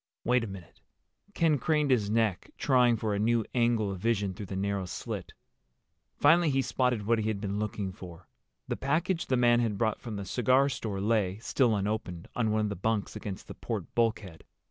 "Wait a minute." Ken craned his neck, trying for a new angle of vision through the narrow slit. Finally he spotted what he had been looking for. The package the man had brought from the cigar store lay, still unopened, on one of the bunks against the port bulkhead.